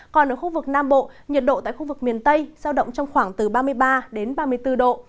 còn ở khu vực nam bộ nhiệt độ tại khu vực miền tây giao động trong khoảng từ ba mươi ba đến ba mươi bốn độ